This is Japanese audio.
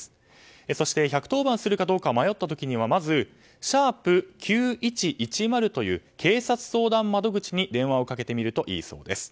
そして、１１０番するかどうか迷った時はまず「♯９１１０」という警察相談窓口に電話をかけてみるといいそうです。